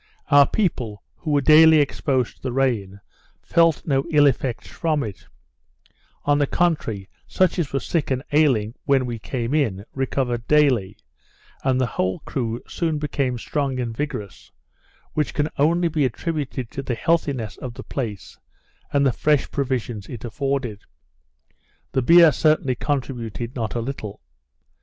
Our people, who were daily exposed to the rain, felt no ill effects from it; on the contrary, such as were sick and ailing when we came in, recovered daily, and the whole crew soon became strong and vigorous, which can only be attributed to the healthiness of the place, and the fresh provisions it afforded. The beer certainly contributed not a little.